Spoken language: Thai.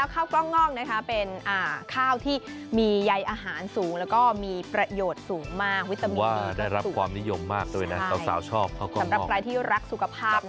ครับขอเสียงพฤษฐกรบ้านอย่างน้อยหน่อยครับ